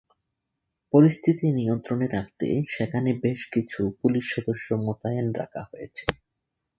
পরিস্থিতি নিয়ন্ত্রণে রাখতে সেখানে বেশ কিছু পুলিশ সদস্য মোতায়েন রাখা হয়েছে।